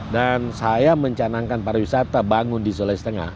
dan saya mencanangkan para wisata bangun di sulawesi tengah